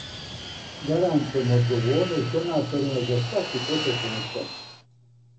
Гарантујемо одговорност донаторима за сваки потрошени цент.